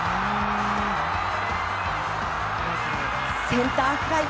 センターフライ。